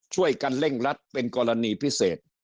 ช่วยกันเร่งรัดเป็นกรณีพิเศษ